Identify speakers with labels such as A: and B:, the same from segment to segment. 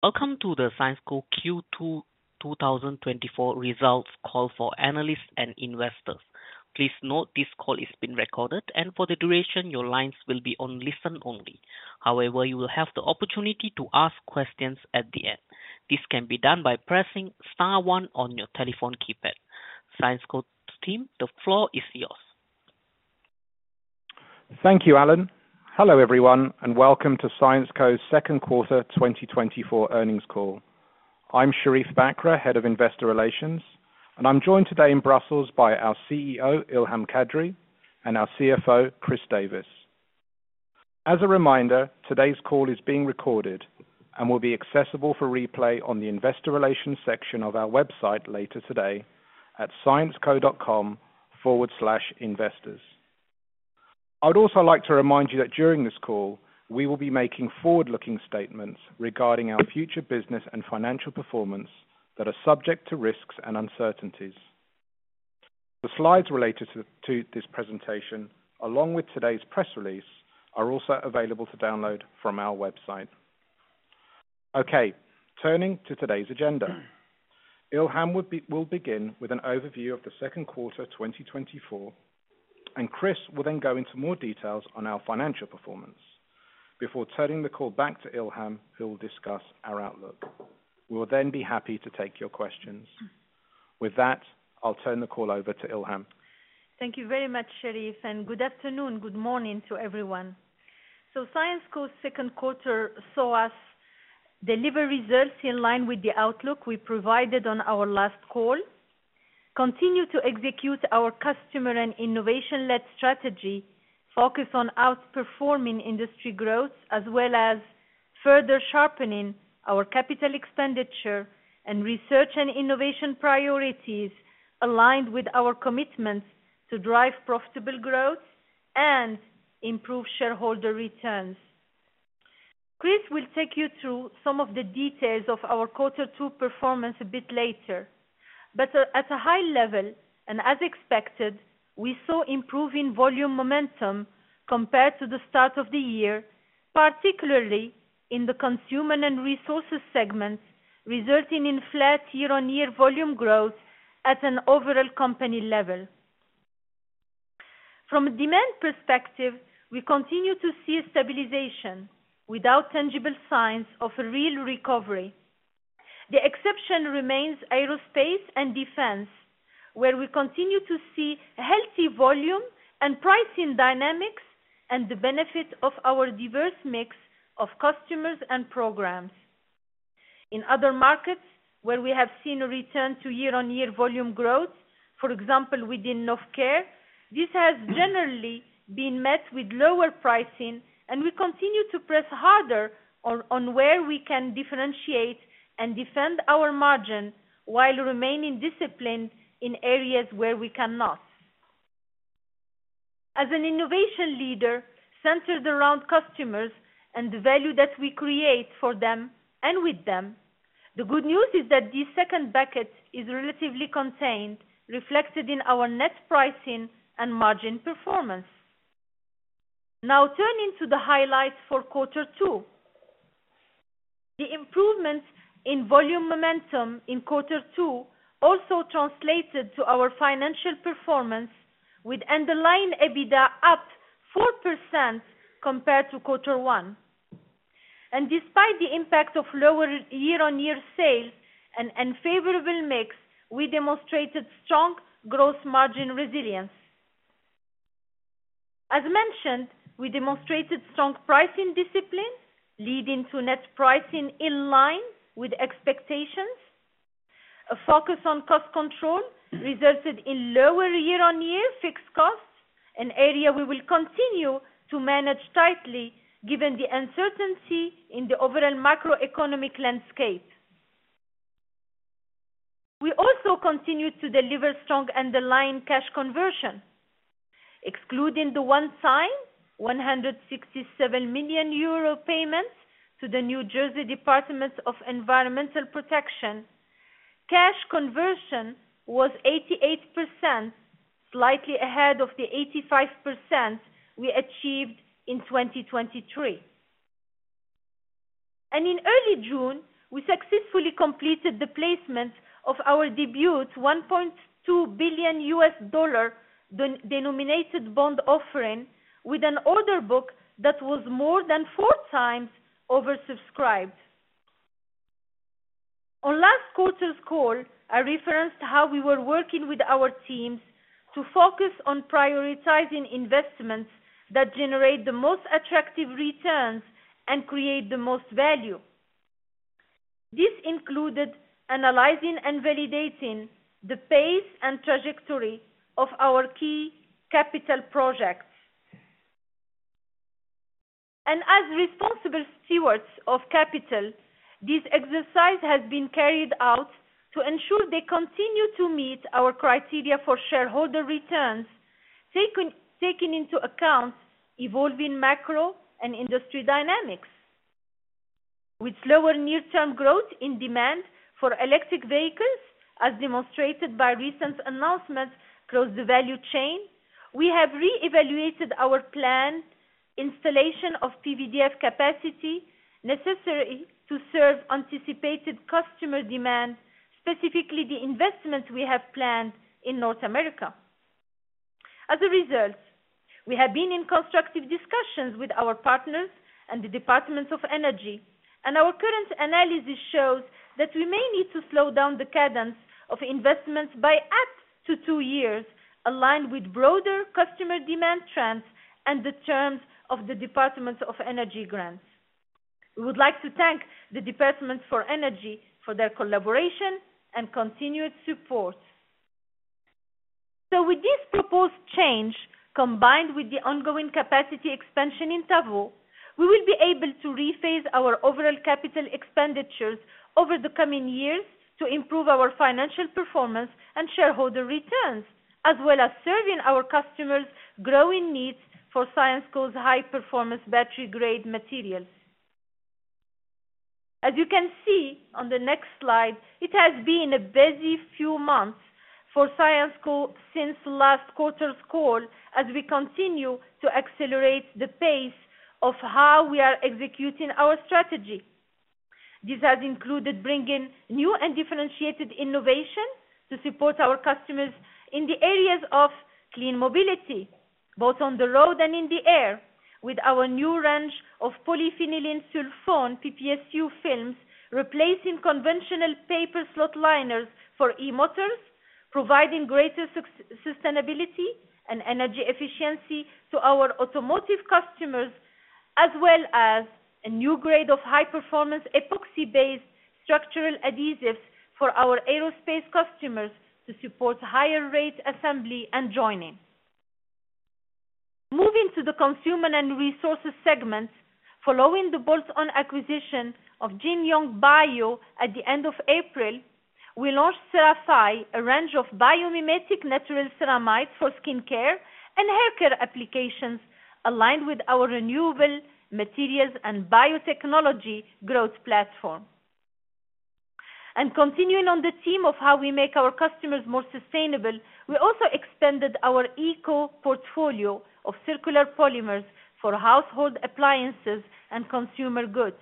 A: Welcome to the Syensqo Q2 2024 results call for analysts and investors. Please note this call is being recorded, and for the duration, your lines will be on listen only. However, you will have the opportunity to ask questions at the end. This can be done by pressing star one on your telephone keypad. Syensqo team, the floor is yours.
B: Thank you, Alan. Hello, everyone, and welcome to Syensqo's second quarter 2024 earnings call. I'm Sherief Bakr, Head of Investor Relations, and I'm joined today in Brussels by our CEO, Ilham Kadri, and our CFO, Chris Davis. As a reminder, today's call is being recorded and will be accessible for replay on the Investor Relations section of our website later today at syensqo.com/investors. I would also like to remind you that during this call, we will be making forward-looking statements regarding our future business and financial performance that are subject to risks and uncertainties. The slides related to this presentation, along with today's press release, are also available to download from our website. Okay, turning to today's agenda, Ilham will begin with an overview of the second quarter 2024, and Chris will then go into more details on our financial performance. Before turning the call back to Ilham, he'll discuss our outlook. We'll then be happy to take your questions. With that, I'll turn the call over to Ilham.
C: Thank you very much, Sherief, and good afternoon, good morning to everyone. So Syensqo's second quarter saw us deliver results in line with the outlook we provided on our last call. Continue to execute our customer and innovation-led strategy, focus on outperforming industry growth, as well as further sharpening our capital expenditure and research and innovation priorities, aligned with our commitments to drive profitable growth and improve shareholder returns. Chris will take you through some of the details of our quarter two performance a bit later. But at a high level, and as expected, we saw improving volume momentum compared to the start of the year, particularly in the consumer and resources segment, resulting in flat year-on-year volume growth at an overall company level. From a demand perspective, we continue to see a stabilization without tangible signs of a real recovery. The exception remains aerospace and defense, where we continue to see healthy volume and pricing dynamics and the benefit of our diverse mix of customers and programs. In other markets, where we have seen a return to year-on-year volume growth, for example, within healthcare, this has generally been met with lower pricing, and we continue to press harder on where we can differentiate and defend our margin while remaining disciplined in areas where we cannot. As an innovation leader centered around customers and the value that we create for them and with them, the good news is that this second bucket is relatively contained, reflected in our net pricing and margin performance. Now, turning to the highlights for quarter two, the improvements in volume momentum in quarter two also translated to our financial performance, with underlying EBITDA up 4% compared to quarter one. Despite the impact of lower year-on-year sales and unfavorable mix, we demonstrated strong gross margin resilience. As mentioned, we demonstrated strong pricing discipline, leading to net pricing in line with expectations. A focus on cost control resulted in lower year-on-year fixed costs, an area we will continue to manage tightly given the uncertainty in the overall macroeconomic landscape. We also continued to deliver strong underlying cash conversion. Excluding the one-off 167 million euro payment to the New Jersey Department of Environmental Protection, cash conversion was 88%, slightly ahead of the 85% we achieved in 2023. In early June, we successfully completed the placement of our debut $1.2 billion denominated bond offering with an order book that was more than four times oversubscribed. On last quarter's call, I referenced how we were working with our teams to focus on prioritizing investments that generate the most attractive returns and create the most value. This included analyzing and validating the pace and trajectory of our key capital projects. As responsible stewards of capital, this exercise has been carried out to ensure they continue to meet our criteria for shareholder returns, taking into account evolving macro and industry dynamics. With slower near-term growth in demand for electric vehicles, as demonstrated by recent announcements across the value chain, we have reevaluated our planned installation of PVDF capacity necessary to serve anticipated customer demand, specifically the investments we have planned in North America. As a result, we have been in constructive discussions with our partners and the Department of Energy, and our current analysis shows that we may need to slow down the cadence of investments by up to two years, aligned with broader customer demand trends and the terms of the Department of Energy grants. We would like to thank the Department of Energy for their collaboration and continued support. So with this proposed change, combined with the ongoing capacity expansion in Tavaux, we will be able to rephase our overall capital expenditures over the coming years to improve our financial performance and shareholder returns, as well as serving our customers' growing needs for Syensqo's high-performance battery-grade materials. As you can see on the next slide, it has been a busy few months for Syensqo since last quarter's call as we continue to accelerate the pace of how we are executing our strategy. This has included bringing new and differentiated innovation to support our customers in the areas of clean mobility, both on the road and in the air, with our new range of polyphenylsulfone (PPSU) films replacing conventional paper slot liners for e-motors, providing greater sustainability and energy efficiency to our automotive customers, as well as a new grade of high-performance epoxy-based structural adhesives for our aerospace customers to support higher rate assembly and joining. Moving to the consumer and resources segment, following the bolt-on acquisition of JinYoung Bio at the end of April, we launched Cerafy, a range of biomimetic natural ceramides for skincare and haircare applications, aligned with our renewable materials and biotechnology growth platform. Continuing on the theme of how we make our customers more sustainable, we also extended our eco portfolio of circular polymers for household appliances and consumer goods.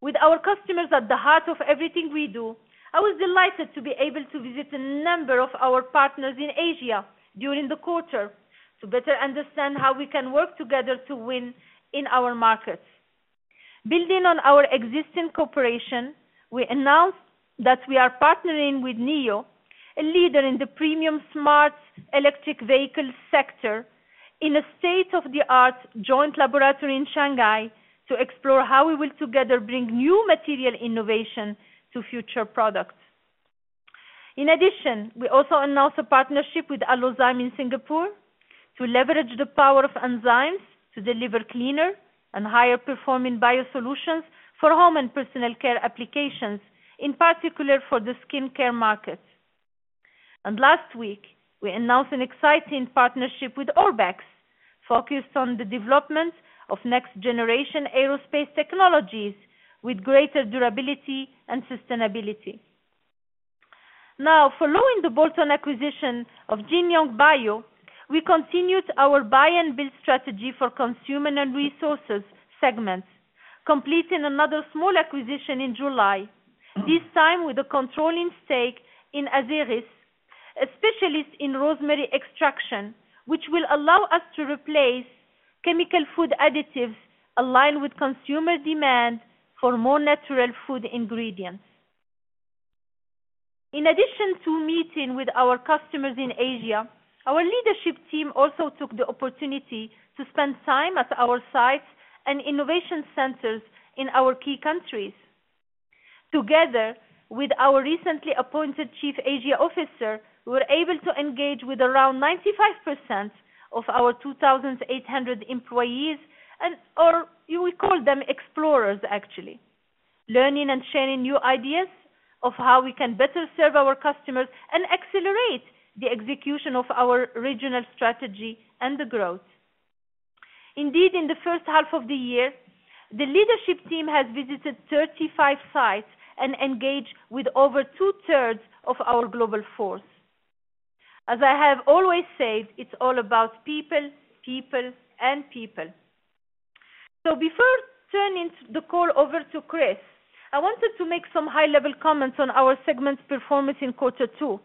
C: With our customers at the heart of everything we do, I was delighted to be able to visit a number of our partners in Asia during the quarter to better understand how we can work together to win in our markets. Building on our existing cooperation, we announced that we are partnering with NIO, a leader in the premium smart electric vehicle sector, in a state-of-the-art joint laboratory in Shanghai to explore how we will together bring new material innovation to future products. In addition, we also announced a partnership with Allozymes in Singapore to leverage the power of enzymes to deliver cleaner and higher-performing biosolutions for home and personal care applications, in particular for the skincare market. Last week, we announced an exciting partnership with Orbex, focused on the development of next-generation aerospace technologies with greater durability and sustainability. Now, following the bolt-on acquisition of JinYoung Bio, we continued our buy-and-build strategy for consumer and resources segments, completing another small acquisition in July, this time with a controlling stake in Azerys, a specialist in rosemary extraction, which will allow us to replace chemical food additives aligned with consumer demand for more natural food ingredients. In addition to meeting with our customers in Asia, our leadership team also took the opportunity to spend time at our sites and innovation centers in our key countries. Together with our recently appointed Chief Asia Officer, we were able to engage with around 95% of our 2,800 employees, or we call them explorers, actually, learning and sharing new ideas of how we can better serve our customers and accelerate the execution of our regional strategy and the growth. Indeed, in the first half of the year, the leadership team has visited 35 sites and engaged with over two-thirds of our global force. As I have always said, it's all about people, people, and people. So before turning the call over to Chris, I wanted to make some high-level comments on our segment's performance in quarter two.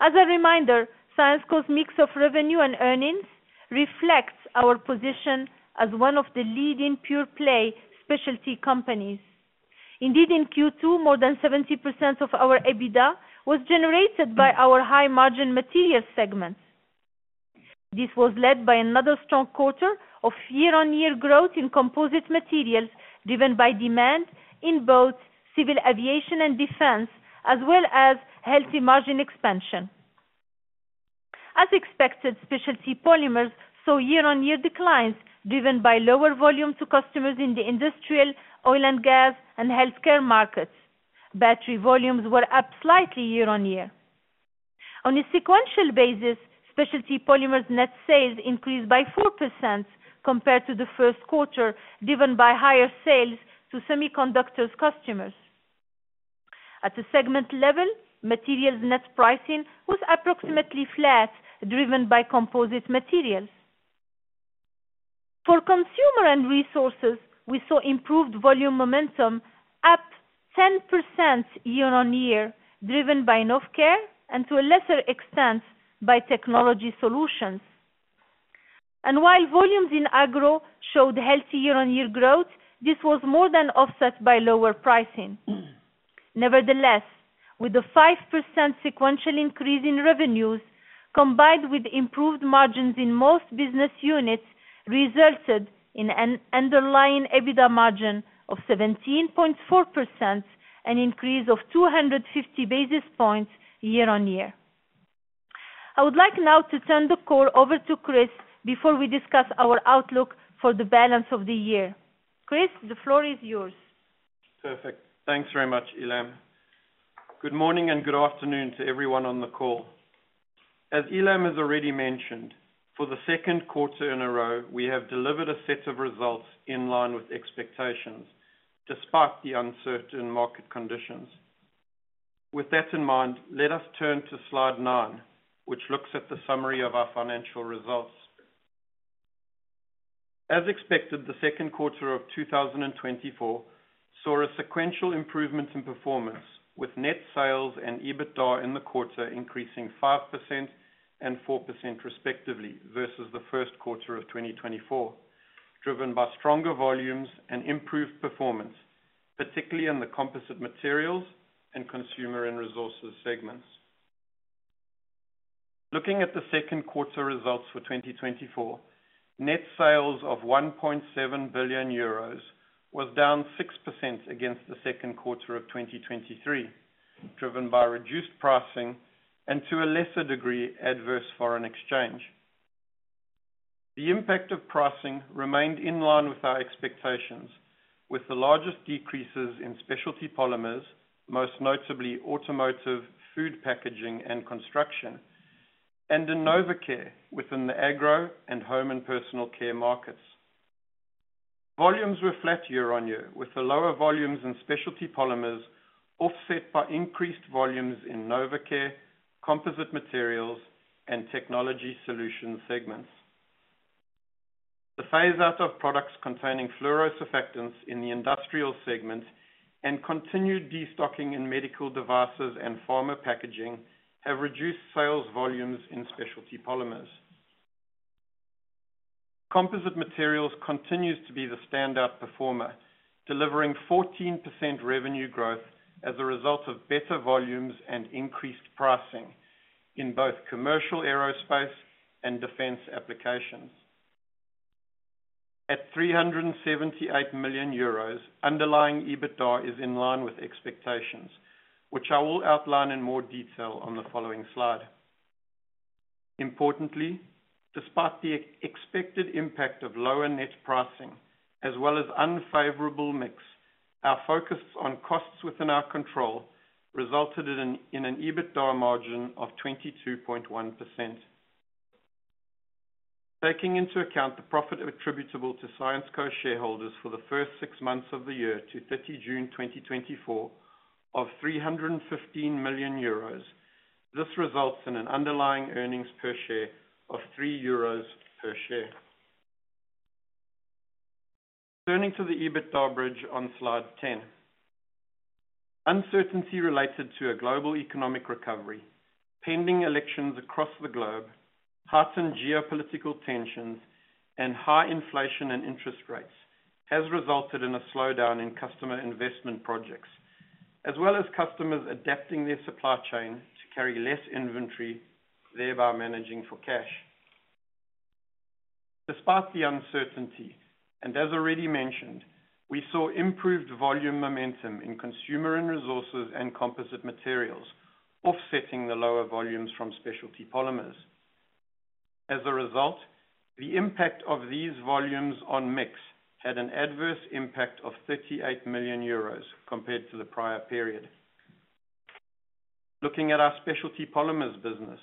C: As a reminder, Syensqo's mix of revenue and earnings reflects our position as one of the leading pure-play specialty companies. Indeed, in Q2, more than 70% of our EBITDA was generated by our high-margin materials segment. This was led by another strong quarter of year-on-year growth in composite materials driven by demand in both civil aviation and defense, as well as healthy margin expansion. As expected, specialty polymers saw year-on-year declines driven by lower volume to customers in the industrial, oil and gas, and healthcare markets. Battery volumes were up slightly year-on-year. On a sequential basis, specialty polymers' net sales increased by 4% compared to the first quarter, driven by higher sales to semiconductor customers. At the segment level, materials' net pricing was approximately flat, driven by composite materials. For consumer and resources, we saw improved volume momentum up 10% year-on-year, driven by healthcare and, to a lesser extent, by technology solutions. And while volumes in agro showed healthy year-on-year growth, this was more than offset by lower pricing. Nevertheless, with a 5% sequential increase in revenues, combined with improved margins in most business units, resulted in an underlying EBITDA margin of 17.4%, an increase of 250 basis points year-on-year. I would like now to turn the call over to Chris before we discuss our outlook for the balance of the year. Chris, the floor is yours.
D: Perfect. Thanks very much, Ilham. Good morning and good afternoon to everyone on the call. As Ilham has already mentioned, for the second quarter in a row, we have delivered a set of results in line with expectations, despite the uncertain market conditions. With that in mind, let us turn to slide 9, which looks at the summary of our financial results. As expected, the second quarter of 2024 saw a sequential improvement in performance, with net sales and EBITDA in the quarter increasing 5% and 4% respectively versus the first quarter of 2024, driven by stronger volumes and improved performance, particularly in the composite materials and consumer and resources segments. Looking at the second quarter results for 2024, net sales of 1.7 billion euros was down 6% against the second quarter of 2023, driven by reduced pricing and, to a lesser degree, adverse foreign exchange. The impact of pricing remained in line with our expectations, with the largest decreases in specialty polymers, most notably automotive, food packaging, and construction, and in Novecare within the agro and home and personal care markets. Volumes were flat year-on-year, with the lower volumes in specialty polymers offset by increased volumes in Novecare, composite materials, and technology solutions segments. The phase-out of products containing fluorosurfactants in the industrial segment and continued destocking in medical devices and pharma packaging have reduced sales volumes in specialty polymers. Composite materials continues to be the standout performer, delivering 14% revenue growth as a result of better volumes and increased pricing in both commercial aerospace and defense applications. At 378 million euros, underlying EBITDA is in line with expectations, which I will outline in more detail on the following slide. Importantly, despite the expected impact of lower net pricing, as well as unfavorable mix, our focus on costs within our control resulted in an EBITDA margin of 22.1%. Taking into account the profit attributable to Syensqo shareholders for the first six months of the year to 30 June 2024 of 315 million euros, this results in an underlying earnings per share of 3 euros per share. Turning to the EBITDA bridge on slide 10, uncertainty related to a global economic recovery, pending elections across the globe, heightened geopolitical tensions, and high inflation and interest rates has resulted in a slowdown in customer investment projects, as well as customers adapting their supply chain to carry less inventory, thereby managing for cash. Despite the uncertainty, and as already mentioned, we saw improved volume momentum in consumer and resources and composite materials, offsetting the lower volumes from specialty polymers. As a result, the impact of these volumes on mix had an adverse impact of 38 million euros compared to the prior period. Looking at our specialty polymers business,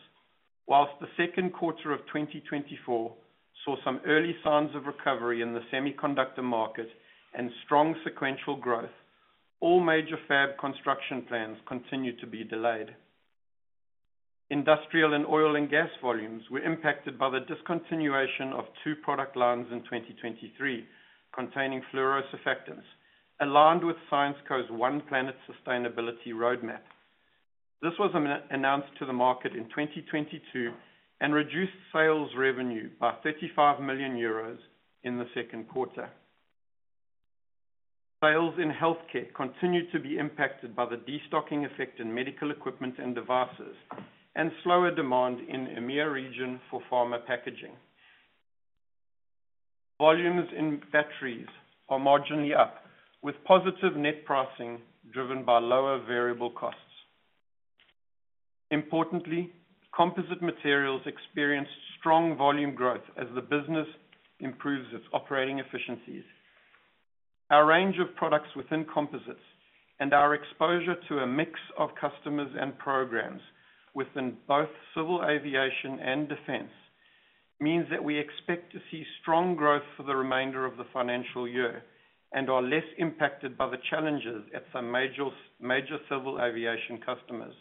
D: while the second quarter of 2024 saw some early signs of recovery in the semiconductor market and strong sequential growth, all major fab construction plans continued to be delayed. Industrial and oil and gas volumes were impacted by the discontinuation of two product lines in 2023 containing fluorosurfactants, aligned with Syensqo's One Planet Sustainability Roadmap. This was announced to the market in 2022 and reduced sales revenue by 35 million euros in the second quarter. Sales in healthcare continued to be impacted by the destocking effect in medical equipment and devices and slower demand in EMEA region for pharma packaging. Volumes in batteries are marginally up, with positive net pricing driven by lower variable costs. Importantly, composite materials experienced strong volume growth as the business improves its operating efficiencies. Our range of products within composites and our exposure to a mix of customers and programs within both civil aviation and defense means that we expect to see strong growth for the remainder of the financial year and are less impacted by the challenges at some major civil aviation customers.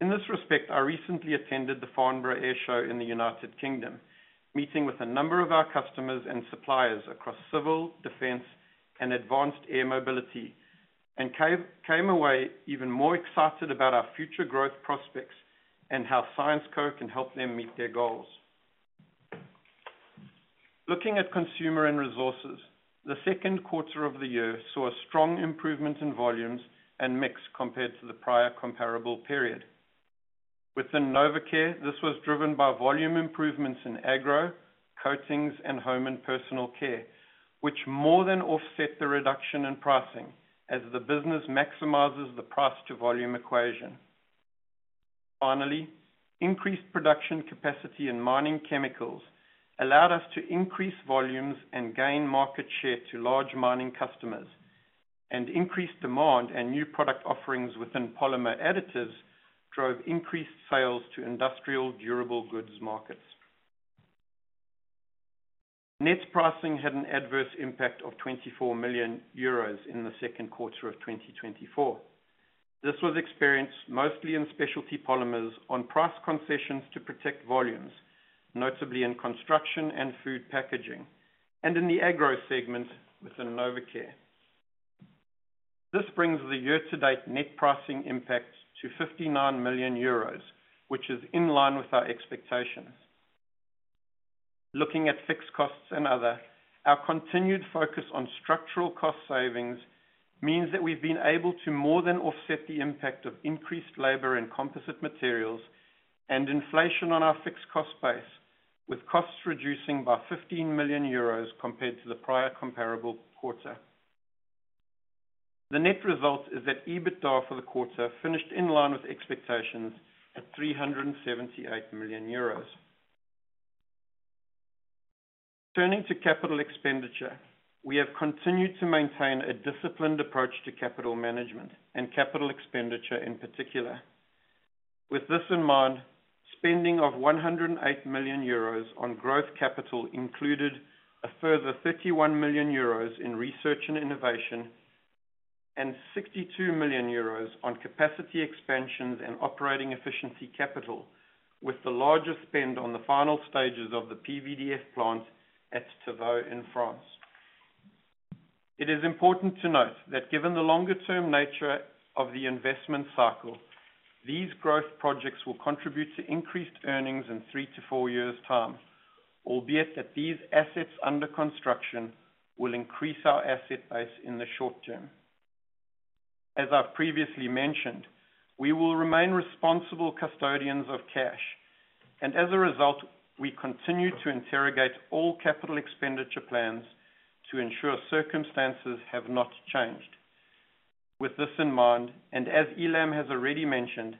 D: In this respect, I recently attended the Farnborough Airshow in the United Kingdom, meeting with a number of our customers and suppliers across civil, defense, and advanced air mobility, and came away even more excited about our future growth prospects and how Syensqo can help them meet their goals. Looking at consumer and resources, the second quarter of the year saw a strong improvement in volumes and mix compared to the prior comparable period. Within Novecare, this was driven by volume improvements in agro, coatings, and home and personal care, which more than offset the reduction in pricing as the business maximizes the price-to-volume equation. Finally, increased production capacity in mining chemicals allowed us to increase volumes and gain market share to large mining customers, and increased demand and new product offerings within polymer additives drove increased sales to industrial durable goods markets. Net pricing had an adverse impact of 24 million euros in the second quarter of 2024. This was experienced mostly in specialty polymers on price concessions to protect volumes, notably in construction and food packaging, and in the agro segment within Novecare. This brings the year-to-date net pricing impact to 59 million euros, which is in line with our expectations. Looking at fixed costs and other, our continued focus on structural cost savings means that we've been able to more than offset the impact of increased labor and composite materials and inflation on our fixed cost base, with costs reducing by 15 million euros compared to the prior comparable quarter. The net result is that EBITDA for the quarter finished in line with expectations at 378 million euros. Turning to capital expenditure, we have continued to maintain a disciplined approach to capital management and capital expenditure in particular. With this in mind, spending of 108 million euros on growth capital included a further 31 million euros in research and innovation and 62 million euros on capacity expansions and operating efficiency capital, with the larger spend on the final stages of the PVDF plant at Tavaux in France. It is important to note that given the longer-term nature of the investment cycle, these growth projects will contribute to increased earnings in three to four years' time, albeit that these assets under construction will increase our asset base in the short term. As I've previously mentioned, we will remain responsible custodians of cash, and as a result, we continue to interrogate all capital expenditure plans to ensure circumstances have not changed. With this in mind, and as Ilham has already mentioned,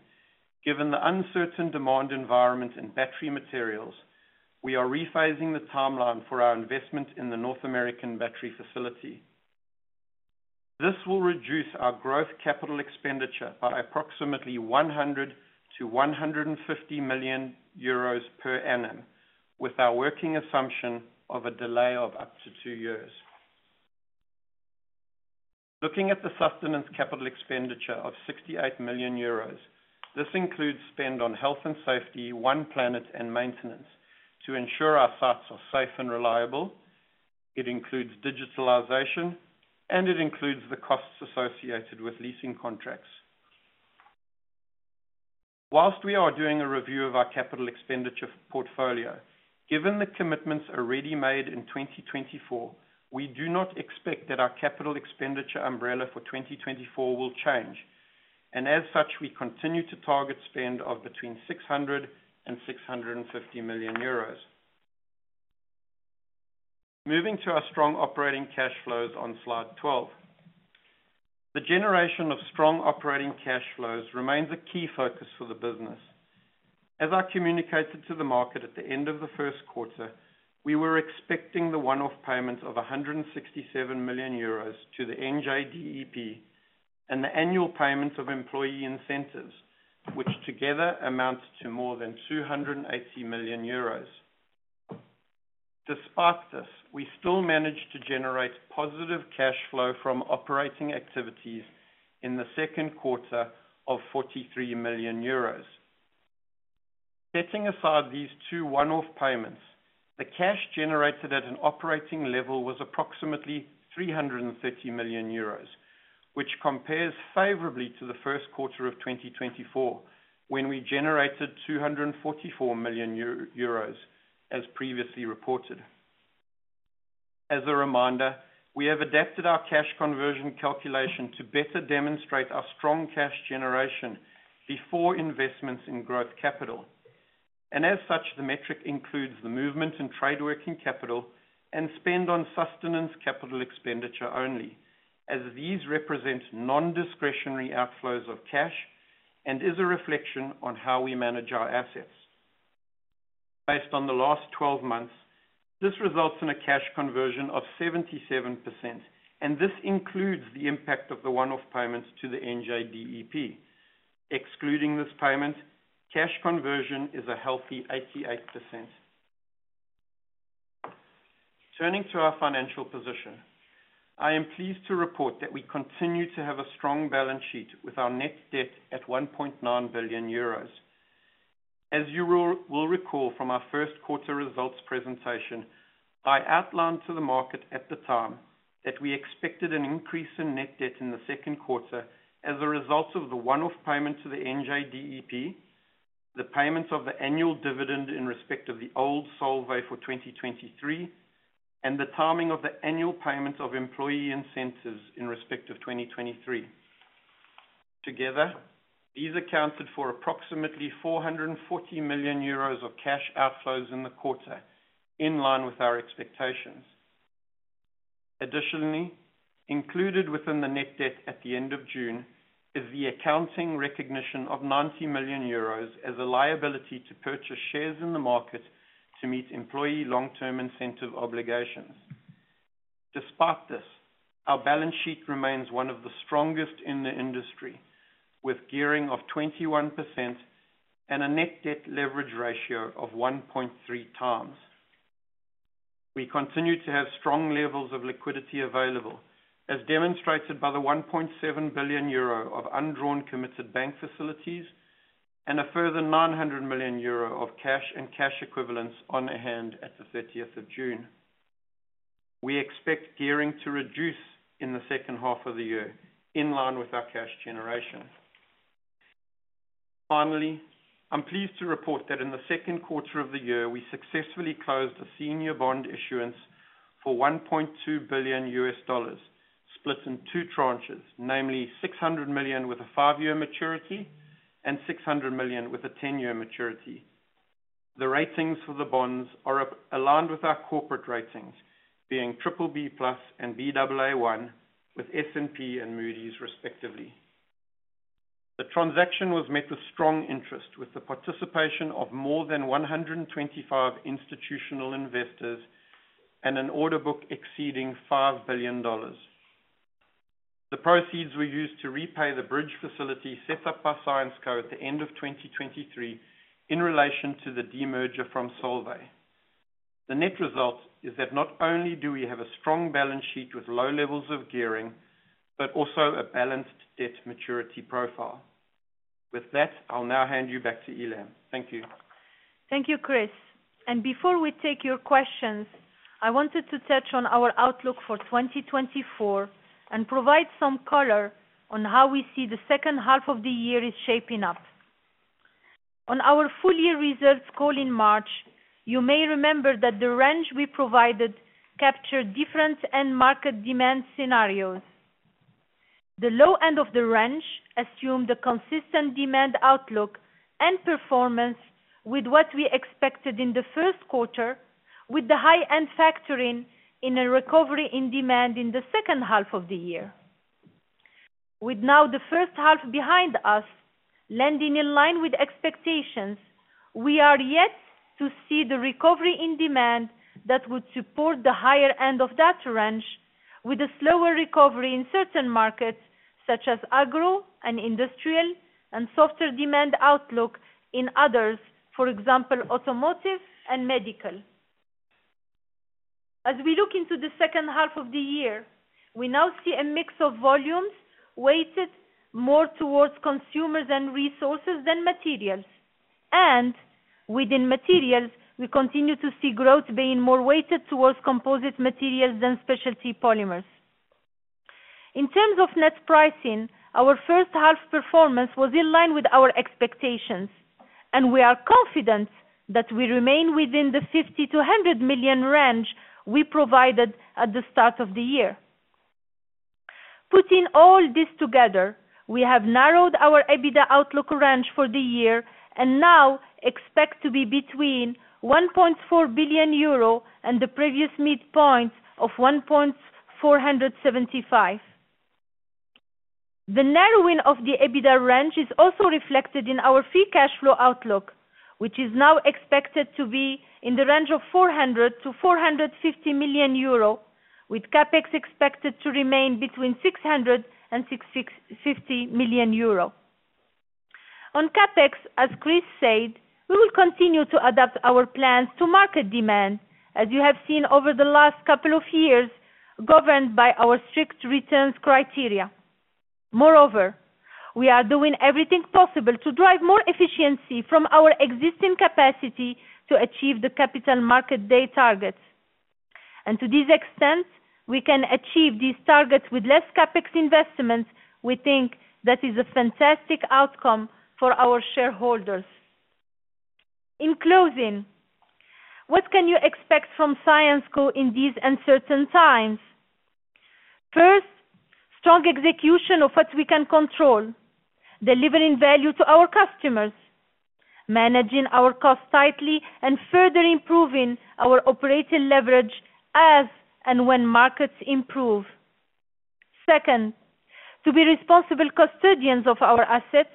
D: given the uncertain demand environment in battery materials, we are revising the timeline for our investment in the North American battery facility. This will reduce our growth capital expenditure by approximately 100 million-150 million euros per annum, with our working assumption of a delay of up to two years. Looking at the sustaining capital expenditure of 68 million euros, this includes spend on health and safety, One Planet, and maintenance to ensure our sites are safe and reliable. It includes digitalization, and it includes the costs associated with leasing contracts. While we are doing a review of our capital expenditure portfolio, given the commitments already made in 2024, we do not expect that our capital expenditure umbrella for 2024 will change, and as such, we continue to target spend of between 600 million euros and 650 million euros. Moving to our strong operating cash flows on slide 12, the generation of strong operating cash flows remains a key focus for the business. As I communicated to the market at the end of the first quarter, we were expecting the one-off payment of 167 million euros to the NJDEP and the annual payment of employee incentives, which together amount to more than 280 million euros. Despite this, we still managed to generate positive cash flow from operating activities in the second quarter of 43 million euros. Setting aside these two one-off payments, the cash generated at an operating level was approximately 330 million euros, which compares favorably to the first quarter of 2024, when we generated 244 million euros, as previously reported. As a reminder, we have adapted our cash conversion calculation to better demonstrate our strong cash generation before investments in growth capital, and as such, the metric includes the movement and trade working capital and spend on sustenance capital expenditure only, as these represent non-discretionary outflows of cash and is a reflection on how we manage our assets. Based on the last 12 months, this results in a cash conversion of 77%, and this includes the impact of the one-off payments to the NJDEP. Excluding this payment, cash conversion is a healthy 88%. Turning to our financial position, I am pleased to report that we continue to have a strong balance sheet with our net debt at 1.9 billion euros. As you will recall from our first quarter results presentation, I outlined to the market at the time that we expected an increase in net debt in the second quarter as a result of the one-off payment to the NJDEP, the payment of the annual dividend in respect of the old Solvay for 2023, and the timing of the annual payment of employee incentives in respect of 2023. Together, these accounted for approximately 440 million euros of cash outflows in the quarter, in line with our expectations. Additionally, included within the net debt at the end of June is the accounting recognition of 90 million euros as a liability to purchase shares in the market to meet employee long-term incentive obligations. Despite this, our balance sheet remains one of the strongest in the industry, with gearing of 21% and a net debt leverage ratio of 1.3 times. We continue to have strong levels of liquidity available, as demonstrated by the 1.7 billion euro of undrawn committed bank facilities and a further 900 million euro of cash and cash equivalents on hand at the 30th of June. We expect gearing to reduce in the second half of the year, in line with our cash generation. Finally, I'm pleased to report that in the second quarter of the year, we successfully closed a senior bond issuance for EUR 1.2 billion, split in two tranches, namely 600 million with a 5-year maturity and 600 million with a 10-year maturity. The ratings for the bonds are aligned with our corporate ratings, being BBB+ and Baa1, with S&P and Moody's, respectively. The transaction was met with strong interest, with the participation of more than 125 institutional investors and an order book exceeding $5 billion. The proceeds were used to repay the bridge facility set up by Syensqo at the end of 2023 in relation to the demerger from Solvay. The net result is that not only do we have a strong balance sheet with low levels of gearing, but also a balanced debt maturity profile. With that, I'll now hand you back to Ilham. Thank you.
C: Thank you, Chris. And before we take your questions, I wanted to touch on our outlook for 2024 and provide some color on how we see the second half of the year is shaping up. On our full-year results call in March, you may remember that the range we provided captured different end-market demand scenarios. The low end of the range assumed a consistent demand outlook and performance with what we expected in the first quarter, with the high-end factoring in a recovery in demand in the second half of the year. With now the first half behind us, landing in line with expectations, we are yet to see the recovery in demand that would support the higher end of that range, with a slower recovery in certain markets such as agro and industrial and softer demand outlook in others, for example, automotive and medical. As we look into the second half of the year, we now see a mix of volumes weighted more towards consumers and resources than materials, and within materials, we continue to see growth being more weighted towards composite materials than specialty polymers. In terms of net pricing, our first half performance was in line with our expectations, and we are confident that we remain within the 50 million-100 million range we provided at the start of the year. Putting all this together, we have narrowed our EBITDA outlook range for the year and now expect to be between 1.4 billion euro and the previous midpoint of 1.475 billion. The narrowing of the EBITDA range is also reflected in our free cash flow outlook, which is now expected to be in the range of 400 million-450 million euro, with CapEx expected to remain between 600 million euro and 650 million euro. On CapEx, as Chris said, we will continue to adapt our plans to market demand, as you have seen over the last couple of years, governed by our strict returns criteria. Moreover, we are doing everything possible to drive more efficiency from our existing capacity to achieve the capital market day targets. And to this extent, we can achieve these targets with less CapEx investment. We think that is a fantastic outcome for our shareholders. In closing, what can you expect from Syensqo in these uncertain times? First, strong execution of what we can control, delivering value to our customers, managing our costs tightly, and further improving our operating leverage as and when markets improve. Second, to be responsible custodians of our assets,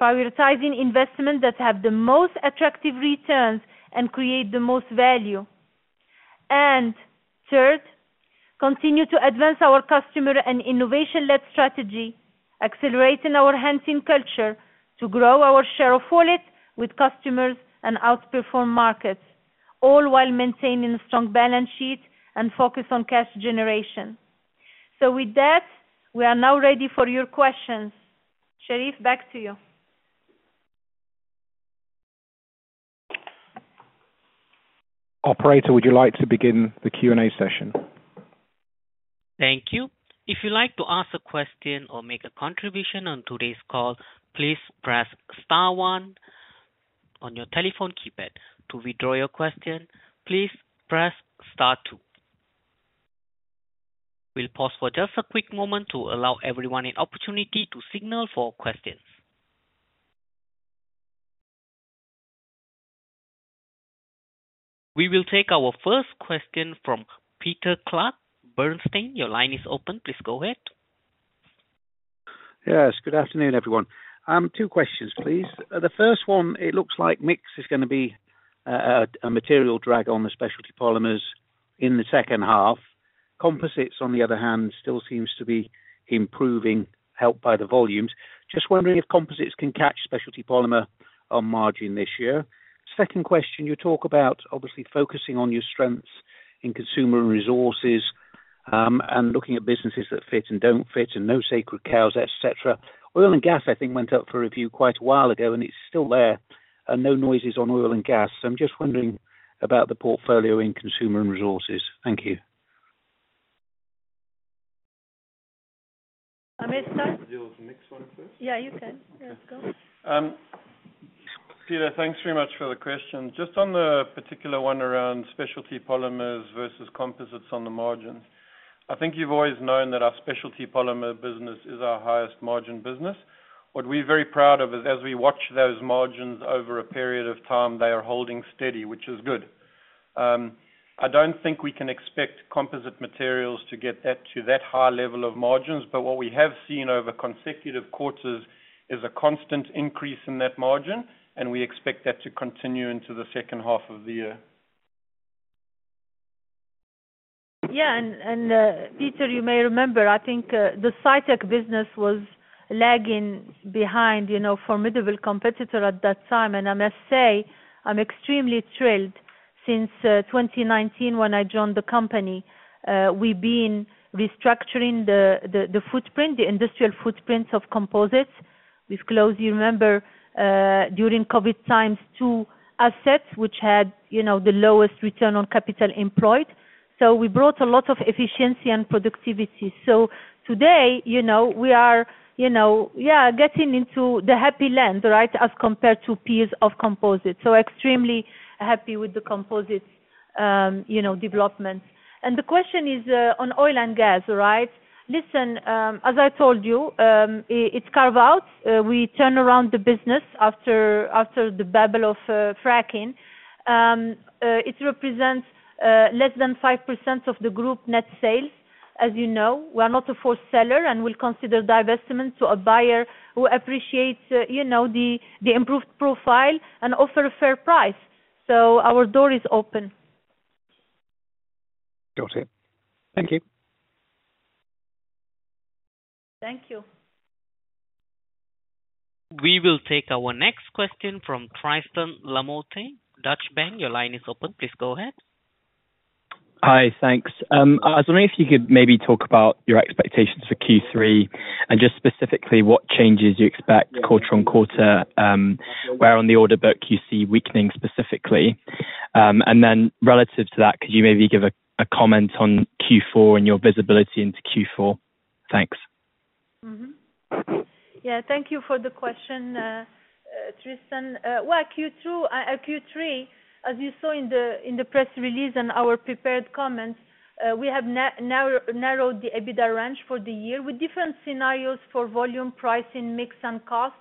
C: prioritizing investments that have the most attractive returns and create the most value. And third, continue to advance our customer and innovation-led strategy, accelerating our hunting culture to grow our share of wallet with customers and outperform markets, all while maintaining a strong balance sheet and focus on cash generation. So with that, we are now ready for your questions. Sherief, back to you.
B: Operator, would you like to begin the Q&A session?
A: Thank you. If you'd like to ask a question or make a contribution on today's call, please press Star one on your telephone keypad to withdraw your question. Please press Star two. We'll pause for just a quick moment to allow everyone an opportunity to signal for questions. We will take our first question from Peter Clark, Bernstein. Your line is open. Please go ahead.
E: Yes, good afternoon, everyone. Two questions, please. The first one, it looks like mix is going to be a material drag on the specialty polymers in the second half. Composites, on the other hand, still seem to be improving, helped by the volumes. Just wondering if composites can catch specialty polymer on margin this year. Second question, you talk about obviously focusing on your strengths in consumer resources and looking at businesses that fit and don't fit and no sacred cows, etc. Oil and gas, I think, went up for review quite a while ago, and it's still there. No noises on oil and gas. So I'm just wondering about the portfolio in consumer resources. Thank you.
D: I'm sorry. Do you want to do the mix one first?
C: Yeah, you can. Let's go.
D: Peter, thanks very much for the question. Just on the particular one around specialty polymers versus composites on the margin, I think you've always known that our specialty polymer business is our highest margin business. What we're very proud of is, as we watch those margins over a period of time, they are holding steady, which is good. I don't think we can expect composite materials to get to that high level of margins, but what we have seen over consecutive quarters is a constant increase in that margin, and we expect that to continue into the second half of the year.
C: Yeah, and Peter, you may remember, I think the Cytec business was lagging behind a formidable competitor at that time. And I must say, I'm extremely thrilled since 2019 when I joined the company. We've been restructuring the footprint, the industrial footprints of composites. We've closed, you remember, during COVID times, two assets which had the lowest return on capital employed. So we brought a lot of efficiency and productivity. So today, we are, yeah, getting into the happy land, right, as compared to peers of composites. So extremely happy with the composites development. And the question is on oil and gas, right? Listen, as I told you, it's carve out. We turn around the business after the bubble of fracking. It represents less than 5% of the group net sales. As you know, we are not a forced seller, and we'll consider divestment to a buyer who appreciates the improved profile and offers a fair price. So our door is open.
E: Got it. Thank you.
C: Thank you.
A: We will take our next question from Tristan Lamotte, Deutsche Bank. Your line is open. Please go ahead.
F: Hi, thanks. I was wondering if you could maybe talk about your expectations for Q3 and just specifically what changes you expect quarter-over-quarter, where on the order book you see weakening specifically. And then relative to that, could you maybe give a comment on Q4 and your visibility into Q4? Thanks.
C: Yeah, thank you for the question, Tristan. Well, Q3, as you saw in the press release and our prepared comments, we have narrowed the EBITDA range for the year with different scenarios for volume, pricing, mix, and cost.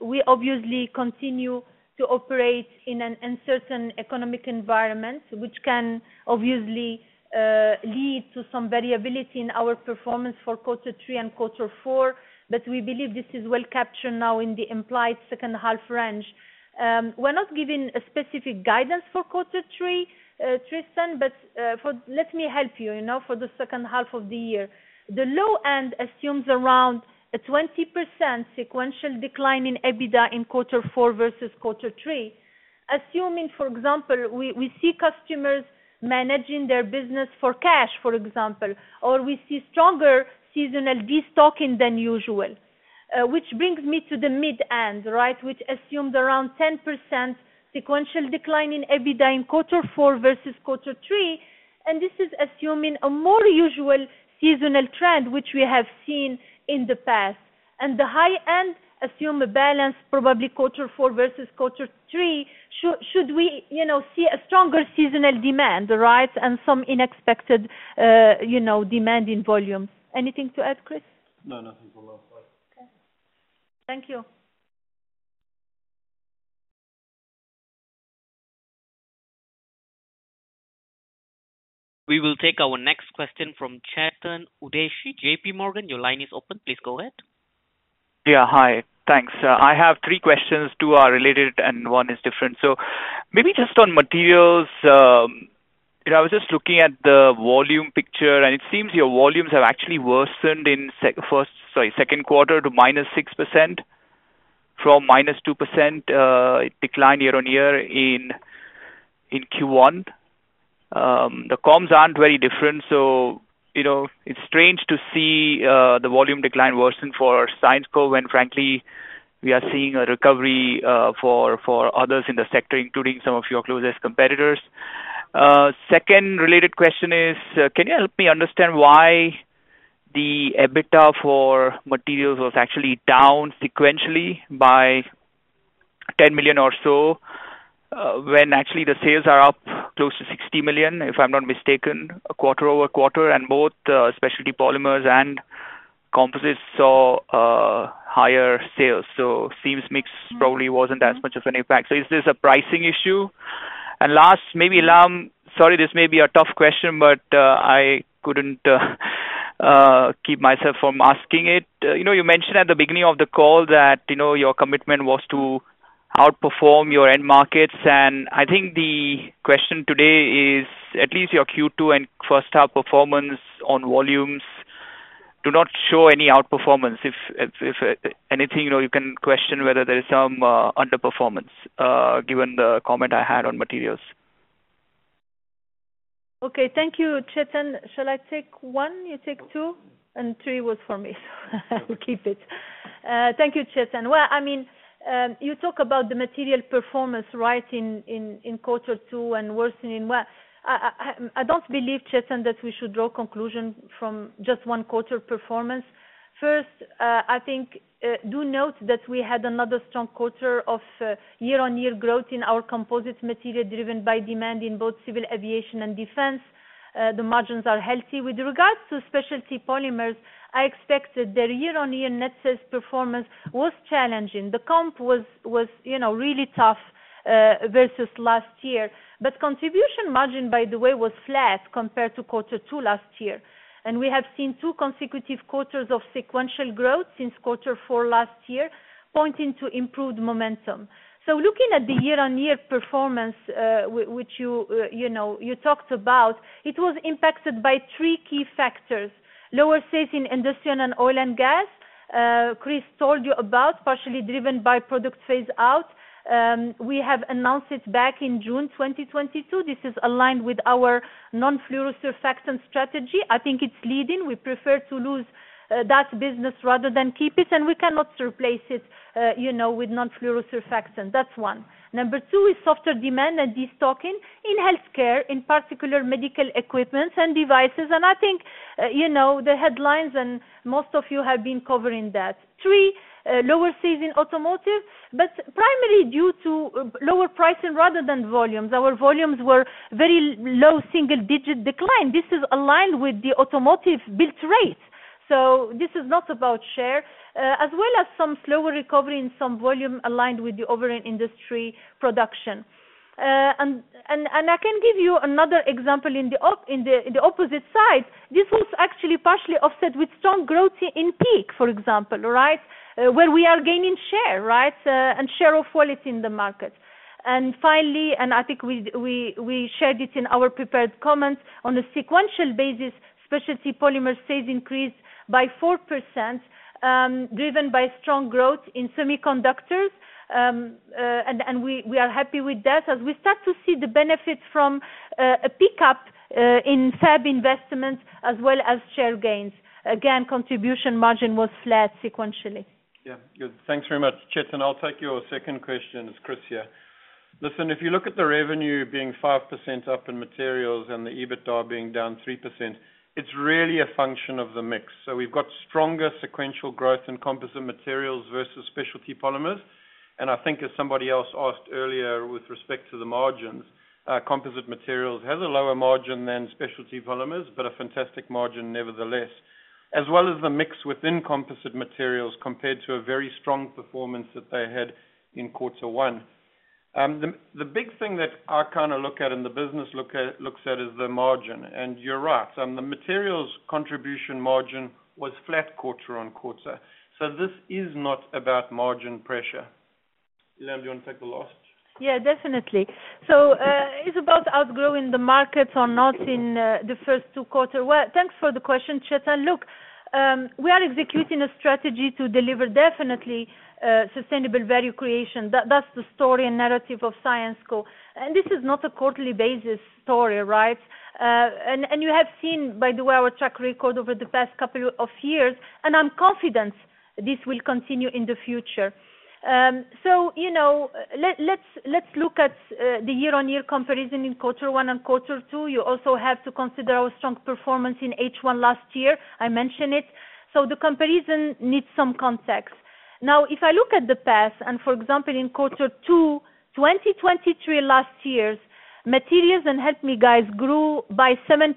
C: We obviously continue to operate in an uncertain economic environment, which can obviously lead to some variability in our performance for quarter three and quarter four, but we believe this is well captured now in the implied second half range. We're not giving specific guidance for quarter three, Tristan, but let me help you for the second half of the year. The low end assumes around a 20% sequential decline in EBITDA in quarter four versus quarter three. Assuming, for example, we see customers managing their business for cash, for example, or we see stronger seasonal destocking than usual, which brings me to the mid end, right, which assumes around 10% sequential decline in EBITDA in quarter four versus quarter three. This is assuming a more usual seasonal trend, which we have seen in the past. The high end assumes a balance, probably quarter four versus quarter three, should we see a stronger seasonal demand, right, and some unexpected demand in volumes. Anything to add, Chris?
D: No, nothing for now.
C: Okay. Thank you.
A: We will take our next question from Chetan Udeshi, JPMorgan. Your line is open. Please go ahead.
G: Yeah, hi. Thanks. I have three questions. Two are related and one is different. So maybe just on materials, I was just looking at the volume picture, and it seems your volumes have actually worsened in second quarter to -6% from -2% decline year-on-year in Q1. The comms aren't very different, so it's strange to see the volume decline worsen for Syensqo when, frankly, we are seeing a recovery for others in the sector, including some of your closest competitors. Second related question is, can you help me understand why the EBITDA for materials was actually down sequentially by 10 million or so when actually the sales are up close to 60 million, if I'm not mistaken, quarter-over-quarter, and both specialty polymers and composites saw higher sales. So it seems mix probably wasn't as much of an impact. So is this a pricing issue? And last, maybe I'm sorry, this may be a tough question, but I couldn't keep myself from asking it. You mentioned at the beginning of the call that your commitment was to outperform your end markets, and I think the question today is at least your Q2 and first-half performance on volumes do not show any outperformance. If anything, you can question whether there is some underperformance given the comment I had on materials.
C: Okay, thank you, Chetan. Shall I take one? You take two. And three was for me, so I will keep it. Thank you, Chetan. Well, I mean, you talk about the material performance, right, in quarter two and worsening. Well, I don't believe, Chetan, that we should draw conclusions from just one quarter performance. First, I think do note that we had another strong quarter of year-on-year growth in our composite materials driven by demand in both civil aviation and defense. The margins are healthy. With regards to specialty polymers, I expected their year-on-year net sales performance was challenging. The comp was really tough versus last year. But contribution margin, by the way, was flat compared to quarter two last year. And we have seen two consecutive quarters of sequential growth since quarter four last year, pointing to improved momentum. So looking at the year-on-year performance, which you talked about, it was impacted by three key factors: lower sales in industry and oil and gas, Chris told you about, partially driven by product phase-out. We have announced it back in June 2022. This is aligned with our non-fluorosurfactant strategy. I think it's leading. We prefer to lose that business rather than keep it, and we cannot replace it with non-fluorosurfactant. That's one. Number two is softer demand and destocking in healthcare, in particular medical equipment and devices. And I think the headlines and most of you have been covering that. Three, lower sales in automotive, but primarily due to lower pricing rather than volumes. Our volumes were very low, single-digit decline. This is aligned with the automotive build rate. So this is not about share, as well as some slower recovery in some volume aligned with the overall industry production. And I can give you another example in the opposite side. This was actually partially offset with strong growth in PEEK, for example, right, where we are gaining share, right, and share of quality in the market. And finally, and I think we shared it in our prepared comment, on a sequential basis, specialty polymer sales increased by 4%, driven by strong growth in semiconductors. And we are happy with that as we start to see the benefit from a pickup in FAB investment as well as share gains. Again, contribution margin was flat sequentially.
D: Yeah, good. Thanks very much, Chetan. I'll take your second question, as Chris here. Listen, if you look at the revenue being 5% up in materials and the EBITDA being down 3%, it's really a function of the mix. So we've got stronger sequential growth in composite materials versus specialty polymers. And I think, as somebody else asked earlier with respect to the margins, composite materials has a lower margin than specialty polymers, but a fantastic margin nevertheless, as well as the mix within composite materials compared to a very strong performance that they had in quarter one. The big thing that I kind of look at in the business looks at is the margin. And you're right. The materials contribution margin was flat quarter-over-quarter. So this is not about margin pressure. Ilham, do you want to take the last?
C: Yeah, definitely. So it's about outgrowing the markets or not in the first two quarters. Well, thanks for the question, Chetan. Look, we are executing a strategy to deliver definitely sustainable value creation. That's the story and narrative of Syensqo. And this is not a quarterly basis story, right? You have seen, by the way, our track record over the past couple of years, and I'm confident this will continue in the future. So let's look at the year-on-year comparison in quarter one and quarter two. You also have to consider our strong performance in H1 last year. I mentioned it. So the comparison needs some context. Now, if I look at the past, and for example, in quarter two 2023 last year, Materials and Novecare grew by 7%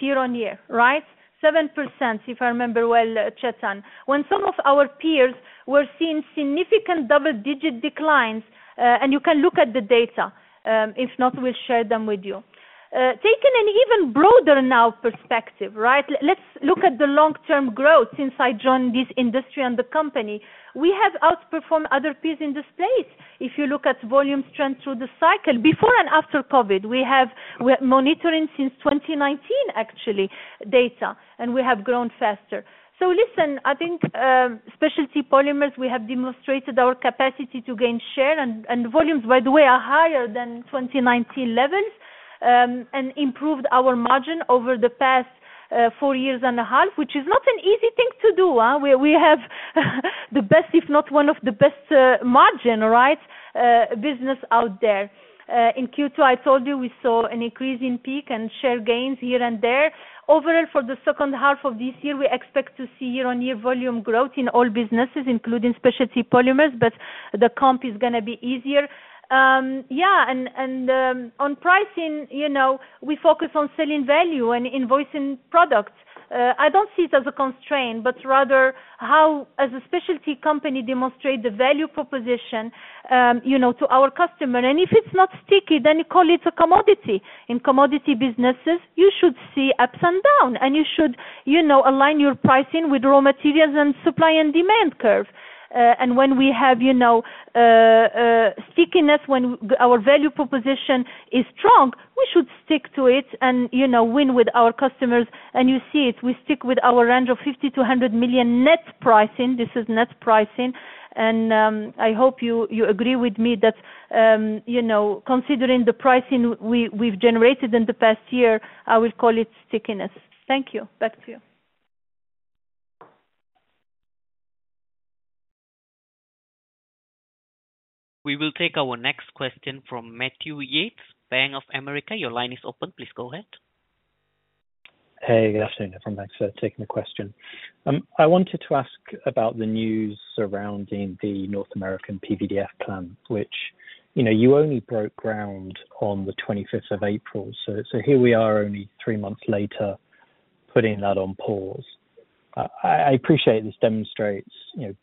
C: year-on-year, right? 7%, if I remember well, Chetan, when some of our peers were seeing significant double-digit declines. And you can look at the data. If not, we'll share them with you. Taking an even broader now perspective, right, let's look at the long-term growth since I joined this industry and the company. We have outperformed other peers in this place if you look at volume strength through the cycle. Before and after COVID, we have monitoring since 2019, actually, data, and we have grown faster. So listen, I think specialty polymers, we have demonstrated our capacity to gain share, and volumes, by the way, are higher than 2019 levels and improved our margin over the past 4.5 years, which is not an easy thing to do. We have the best, if not one of the best margin, right, business out there. In Q2, I told you we saw an increase in PEEK and share gains here and there. Overall, for the second half of this year, we expect to see year-on-year volume growth in all businesses, including specialty polymers, but the comp is going to be easier. Yeah, and on pricing, we focus on selling value and innovative products. I don't see it as a constraint, but rather how, as a specialty company, demonstrate the value proposition to our customer. If it's not sticky, then call it a commodity. In commodity businesses, you should see ups and downs, and you should align your pricing with raw materials and supply and demand curve. When we have stickiness, when our value proposition is strong, we should stick to it and win with our customers. You see it; we stick with our range of 50 million-100 million net pricing. This is net pricing. I hope you agree with me that considering the pricing we've generated in the past year, I will call it stickiness. Thank you. Back to you.
A: We will take our next question from Matthew Yates, Bank of America. Your line is open. Please go ahead.
H: Hey, good afternoon. I'm from Bank. So taking the question. I wanted to ask about the news surrounding the North American PVDF plan, which you only broke ground on the 25th of April. So here we are only three months later putting that on pause. I appreciate this demonstrates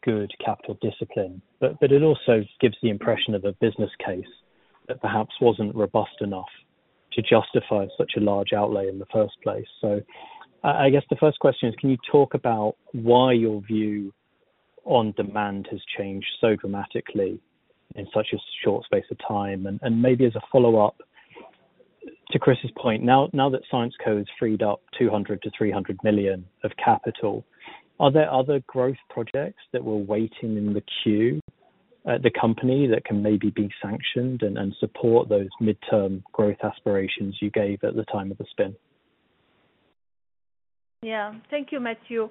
H: good capital discipline, but it also gives the impression of a business case that perhaps wasn't robust enough to justify such a large outlay in the first place. So I guess the first question is, can you talk about why your view on demand has changed so dramatically in such a short space of time? And maybe as a follow-up to Chris's point, now that Syensqo has freed up 200 million-300 million of capital, are there other growth projects that were waiting in the queue at the company that can maybe be sanctioned and support those mid-term growth aspirations you gave at the time of the spin?
C: Yeah. Thank you, Matthew.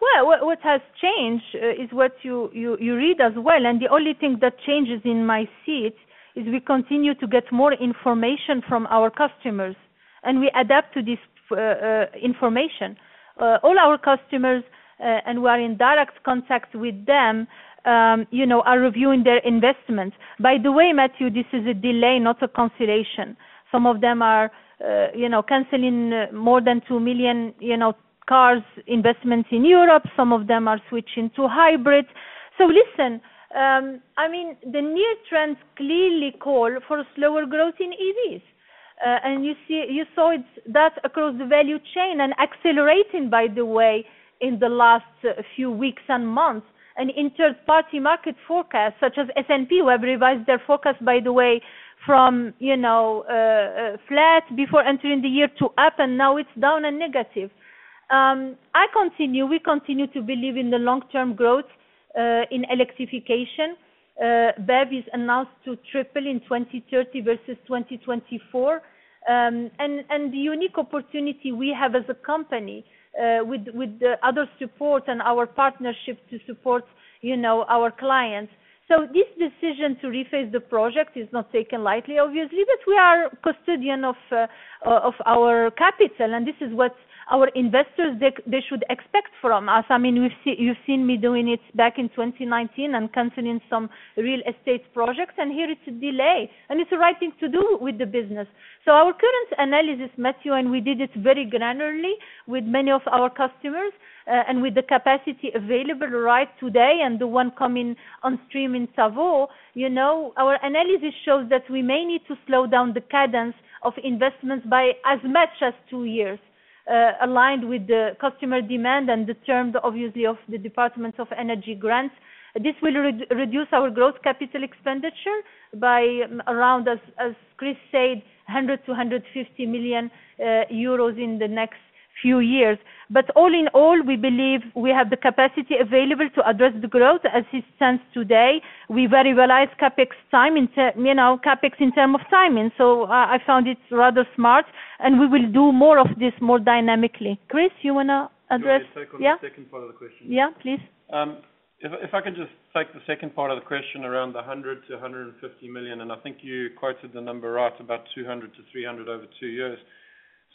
C: Well, what has changed is what you read as well. And the only thing that changes in my seat is we continue to get more information from our customers, and we adapt to this information. All our customers, and we are in direct contact with them, are reviewing their investments. By the way, Matthew, this is a delay, not a cancellation. Some of them are cancelling more than 2 million cars investments in Europe. Some of them are switching to hybrid. So listen, I mean, the near-term trend clearly calls for slower growth in EVs. You saw that across the value chain and accelerating, by the way, in the last few weeks and months. In third-party market forecasts, such as S&P Global revised their forecast, by the way, from flat before entering the year to up, and now it's down and negative. We continue to believe in the long-term growth in electrification. BEV is announced to triple in 2030 versus 2024. The unique opportunity we have as a company with our support and our partnerships to support our clients. So this decision to rephase the project is not taken lightly, obviously, but we are custodians of our capital, and this is what our investors should expect from us. I mean, you've seen me doing it back in 2019 and canceling some real estate projects, and here it's a delay, and it's the right thing to do with the business. So our current analysis, Matthew, and we did it very granularly with many of our customers and with the capacity available right today and the one coming on stream in Tavaux, our analysis shows that we may need to slow down the cadence of investments by as much as two years, aligned with the customer demand and the terms, obviously, of the Department of Energy grants. This will reduce our gross capital expenditure by around, as Chris said, 100 million-150 million euros in the next few years. But all in all, we believe we have the capacity available to address the growth, as it stands today. We very well like CapEx time in terms of timing. So I found it rather smart, and we will do more of this more dynamically. Chris, you want to address?
D: Yeah, take the second part of the question.
C: Yeah, please.
D: If I can just take the second part of the question around the 100 million-150 million, and I think you quoted the number right, about 200-300 over two years.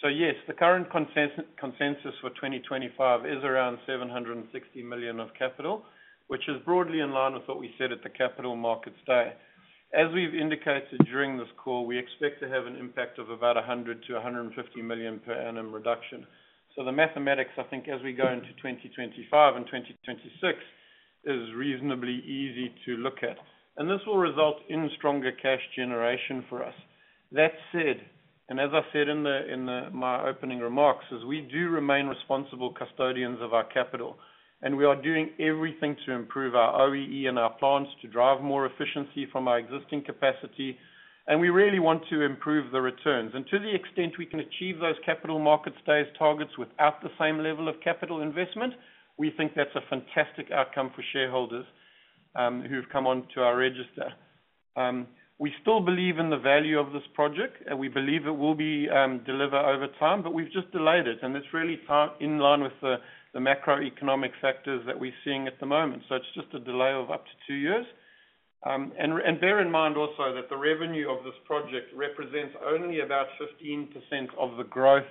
D: So yes, the current consensus for 2025 is around 760 million of capital, which is broadly in line with what we said at the Capital Markets Day. As we've indicated during this call, we expect to have an impact of about 100 million-150 million per annum reduction. So the mathematics, I think, as we go into 2025 and 2026, is reasonably easy to look at. And this will result in stronger cash generation for us. That said, and as I said in my opening remarks, as we do remain responsible custodians of our capital, and we are doing everything to improve our OEE and our plans to drive more efficiency from our existing capacity, and we really want to improve the returns. To the extent we can achieve those Capital Markets Day targets without the same level of capital investment, we think that's a fantastic outcome for shareholders who've come onto our register. We still believe in the value of this project, and we believe it will be delivered over time, but we've just delayed it. It's really in line with the macroeconomic factors that we're seeing at the moment. It's just a delay of up to two years. And bear in mind also that the revenue of this project represents only about 15% of the growth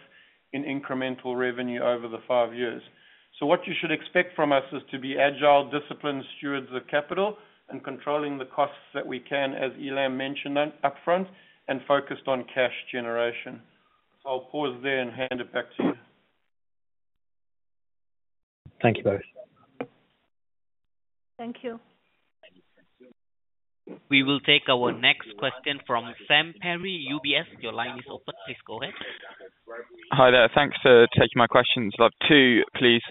D: in incremental revenue over the five years. So what you should expect from us is to be agile, disciplined, stewards of capital, and controlling the costs that we can, as Ilham mentioned, upfront and focused on cash generation. So I'll pause there and hand it back to you.
H: Thank you both.
C: Thank you.
A: We will take our next question from Sam Perry, UBS. Your line is open. Please go ahead.
I: Hi there. Thanks for taking my questions. I'd love to, please.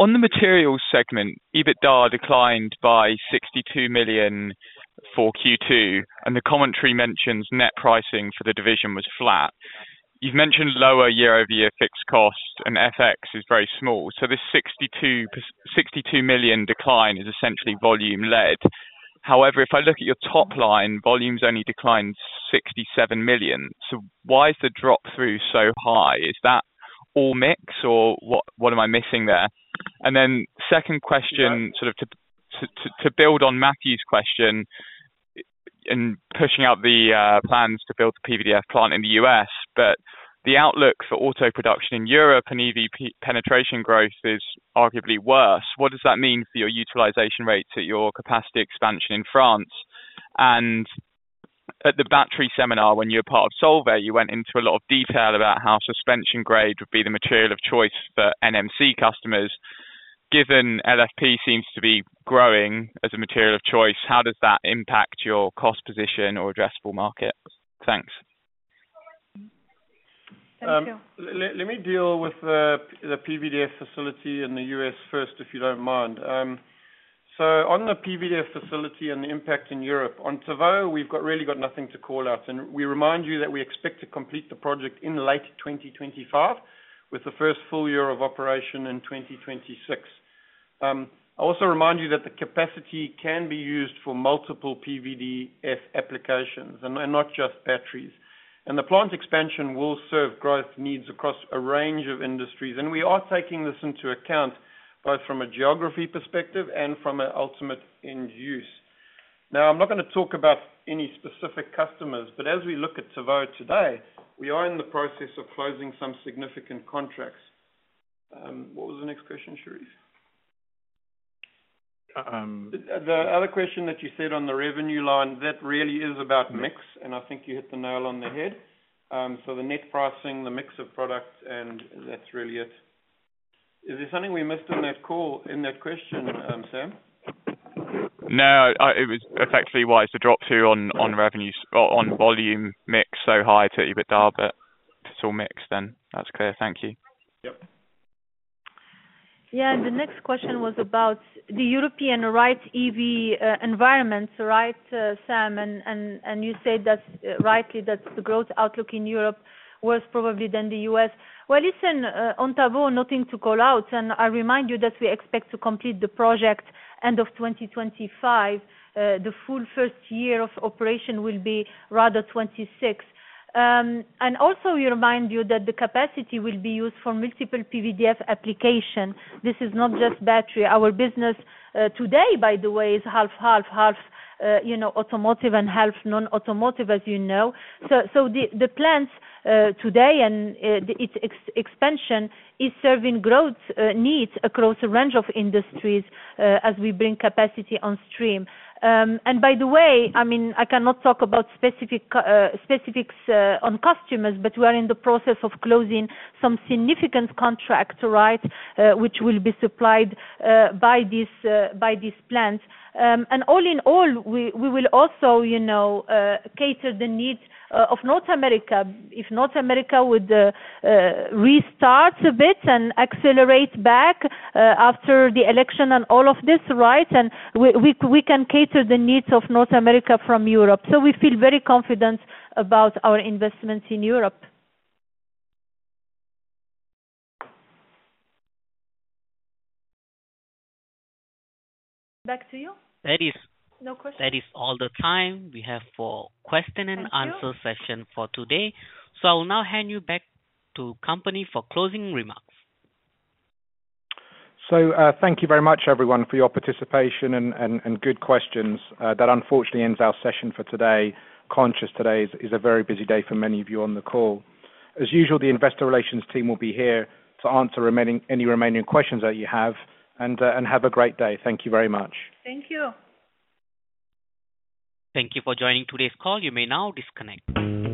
I: On the materials segment, EBITDA declined by 62 million for Q2, and the commentary mentions net pricing for the division was flat. You've mentioned lower year-over-year fixed cost, and FX is very small. So this 62 million decline is essentially volume-led. However, if I look at your top line, volumes only declined 67 million. So why is the drop through so high? Is that all mix or what am I missing there? And then second question, sort of to build on Matthew's question and pushing out the plans to build a PVDF plant in the U.S., but the outlook for auto production in Europe and EV penetration growth is arguably worse. What does that mean for your utilization rates at your capacity expansion in France? And at the battery seminar when you were part of Solvay, you went into a lot of detail about how suspension grade would be the material of choice for NMC customers. Given LFP seems to be growing as a material of choice, how does that impact your cost position or addressable market? Thanks.
C: Thank you.
D: Let me deal with the PVDF facility in the U.S. first, if you don't mind. So on the PVDF facility and the impact in Europe, on Tavaux, we've really got nothing to call out. And we remind you that we expect to complete the project in late 2025, with the first full year of operation in 2026. I also remind you that the capacity can be used for multiple PVDF applications and not just batteries. And the plant expansion will serve growth needs across a range of industries. And we are taking this into account both from a geography perspective and from an ultimate end use. Now, I'm not going to talk about any specific customers, but as we look at Tavaux, today, we are in the process of closing some significant contracts. What was the next question, Sherief?
B: The other question that you said on the revenue line, that really is about mix, and I think you hit the nail on the head. So the net pricing, the mix of products, and that's really it. Is there something we missed in that call, in that question, Sam?
I: No, it was effectively wise to drop to on revenues, on volume mix so high to EBITDA, but it's all mixed then. That's clear. Thank you.
D: Yep.
C: Yeah, the next question was about the European EV environment, right, Sam? And you said that rightly, that the growth outlook in Europe was probably than the U.S.. Well, listen, on Tavaux, nothing to call out. And I remind you that we expect to complete the project end of 2025. The full first year of operation will be 2026. And also, we remind you that the capacity will be used for multiple PVDF applications. This is not just battery. Our business today, by the way, is half automotive and half non-automotive, as you know. So the plants today and its expansion is serving growth needs across a range of industries as we bring capacity on stream. And by the way, I mean, I cannot talk about specifics on customers, but we are in the process of closing some significant contracts, right, which will be supplied by these plants. And all in all, we will also cater the needs of North America. If North America would restart a bit and accelerate back after the election and all of this, right, and we can cater the needs of North America from Europe. So we feel very confident about our investments in Europe. Back to you. There is no question.
A: That is all the time we have for question and answer session for today. I will now hand you back to company for closing remarks.
B: Thank you very much, everyone, for your participation and good questions. That unfortunately ends our session for today. Considering today is a very busy day for many of you on the call. As usual, the investor relations team will be here to answer any remaining questions that you have. Have a great day. Thank you very much.
C: Thank you. Thank you for joining today's call. You may now disconnect.